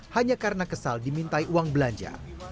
hanya karena kesal dimintai uang belanja